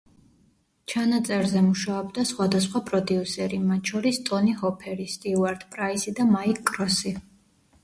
ჩანაწერზე მუშაობდა სხვადასხვა პროდიუსერი, მათ შორის ტონი ჰოფერი, სტიუარტ პრაისი და მაიკ კროსი.